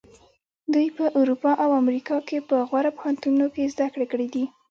دوی په اروپا او امریکا کې په غوره پوهنتونونو کې زده کړې کړې دي.